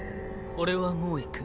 俺はもう行く。